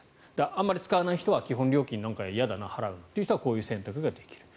あまり使わない人は、基本料金払うの嫌だなという人はこういう選択ができる。